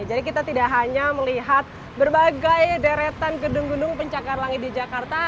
kita tidak hanya melihat berbagai deretan gedung gedung pencakar langit di jakarta